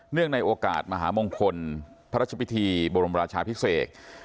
เนื่องในโอกาสมหาวิทยาลัยมงคลพระราชพิธีบรมราชาพิเศษ